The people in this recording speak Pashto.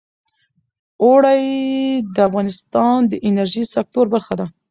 اوړي د افغانستان د انرژۍ سکتور برخه ده.